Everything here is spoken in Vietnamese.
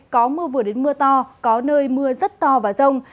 có mưa vừa đến mưa to có nơi mưa rất to và rông